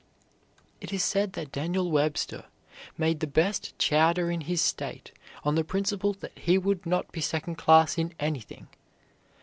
It is said that Daniel Webster made the best chowder in his state on the principle that he would not be second class in anything.